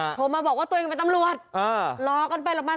ค่ะโทรมาบอกว่าตัวเองเป็นตำรวจอะร้อก่อนไปลงมา